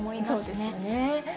そうですよね。